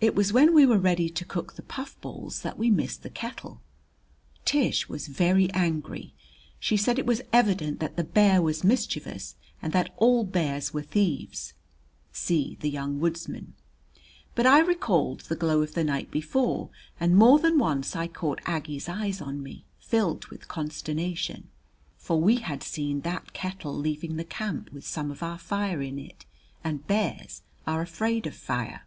It was when we were ready to cook the puffballs that we missed the kettle! Tish was very angry; she said it was evident that the bear was mischievous and that all bears were thieves. (See the "Young Woodsman.") But I recalled the glow of the night before, and more than once I caught Aggie's eyes on me, filled with consternation. For we had seen that kettle leaving the camp with some of our fire in it, and bears are afraid of fire!